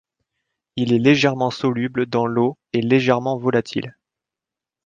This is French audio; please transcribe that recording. Il est légèrement soluble dans l'eau et légèrement volatil.